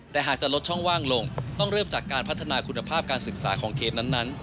แต่หากจะลดช่องว่างลงต้องเริ่มจากการพัฒนาคุณภาพการศึกษาของเขตนั้น